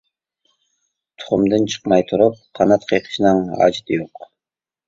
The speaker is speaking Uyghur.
تۇخۇمدىن چىقماي تۇرۇپ قانات قېقىشنىڭ ھاجىتى يوق.